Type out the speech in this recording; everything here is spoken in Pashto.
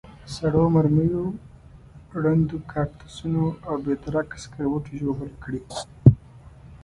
سړو مرمیو، ړندو کارتوسو او بې درکه سکروټو ژوبل کړي.